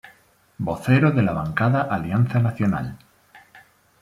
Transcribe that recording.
Vocero de la bancada Alianza Nacional.